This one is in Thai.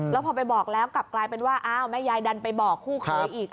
แล้วพอไปบอกแล้วกลับกลายเป็นว่าอ้าวแม่ยายดันไปบอกคู่เคยอีก